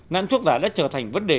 nặng thuốc giả đã trở thành vấn đề